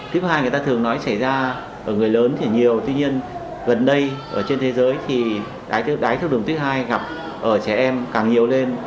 tiếp hai người ta thường nói xảy ra ở người lớn thì nhiều tuy nhiên gần đây ở trên thế giới thì đái tháo đường tiếp hai gặp ở trẻ em càng nhiều lên